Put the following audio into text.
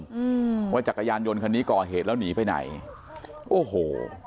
อืมว่าจักรยานยนต์คันนี้ก่อเหตุแล้วหนีไปไหนโอ้โห